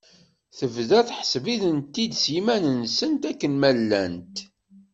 Tebda tḥesseb-itent-id s yismawen-nsent akken ma llant.